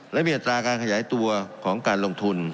และมีอัตราการขยายตัวของการลงทุน